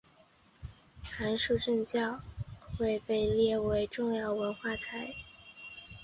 函馆正教会被列为重要文化财。